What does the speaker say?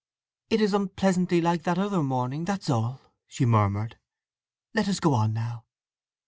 "It is unpleasantly like that other morning—that's all," she murmured. "Let us go on now."